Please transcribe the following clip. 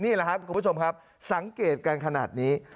นี่แหละครับคุณผู้ชมครับสังเกตกันขนาดนี้